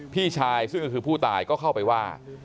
พี่ชายซึ่งก็คือผู้ตายก็เข้าไปว่า